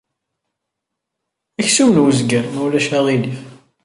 Aksum n wezger, ma ulac aɣilif.